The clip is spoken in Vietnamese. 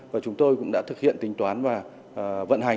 và chúng tôi cũng đã thực hiện tính toán và vận hành